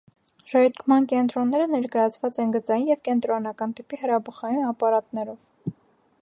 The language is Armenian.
Ժայթքման կենտրոնները ներկայացված են գծային և կենտրոնական տիպի հրաբխային ապարատներով։